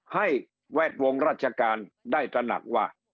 แวดวงราชการได้ตระหนักว่า